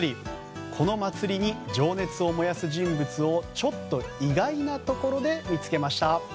この祭りに情熱を燃やす人物をちょっと意外なところで見つけました。